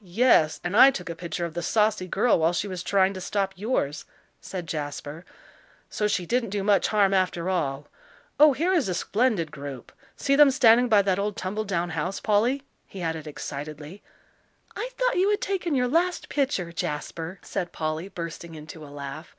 "Yes, and I took a picture of the saucy girl while she was trying to stop yours," said Jasper. "So she didn't do much harm, after all. Oh, here is a splendid group! See them standing by that old tumble down house, Polly," he added excitedly. "I thought you had taken your last picture, Jasper," said Polly, bursting into a laugh.